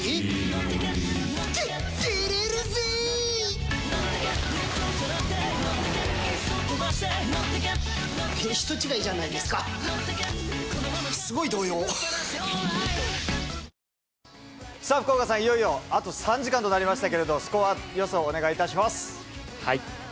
「サッポロクラフトスパイスソーダ」福岡さん、いよいよあと３時間となりましたけれども、スコア予想をお願いいたします。